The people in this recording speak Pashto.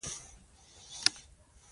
هغه د نوي کال ژمنه وکړه.